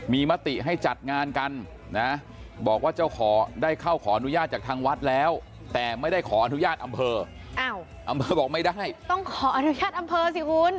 ไม่ได้ขออนุญาตอำเภออ้าวอำเภอบอกไม่ได้ต้องขออนุญาตอำเภอสิอุ้น